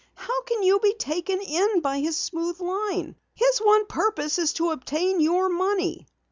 "How can you be taken in by his smooth line? His one purpose is to obtain your money."